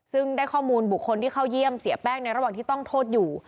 ซึ่งได้ข้อมูลบุคคลที่เข้าเยี่ยมเสียแป้งในระหว่างที่ต้องโทษอยู่